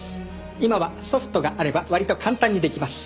今はソフトがあれば割と簡単にできます。